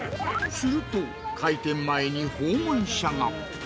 すると、開店前に訪問者が。